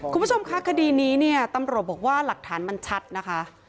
คุณผู้ชมคะคดีนี้เนี่ยตำรวจบอกว่าหลักฐานมันชัดนะคะ